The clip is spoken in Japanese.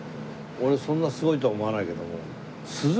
俺そんなすごいとは思わないけども。